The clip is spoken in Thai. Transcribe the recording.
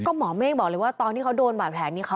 ก็หมอเมฆบอกเลยว่าตอนทำให้เดินบาดแผลนี้